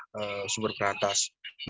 di sumber peratas